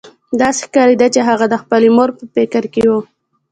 داسې ښکارېده چې هغه د خپلې مور په فکر کې و